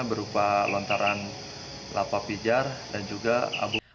berupa lontaran lapapijar dan juga abu